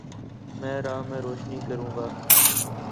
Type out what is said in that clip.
میں راہ میں روشنی کرونگا